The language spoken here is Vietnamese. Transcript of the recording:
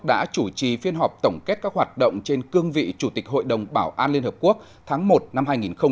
đã chủ trì phiên họp tổng kết các hoạt động trên cương vị chủ tịch hội đồng bảo an liên hợp quốc tháng một năm hai nghìn hai mươi